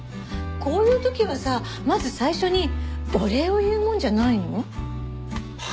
こういう時はさまず最初にお礼を言うもんじゃないの？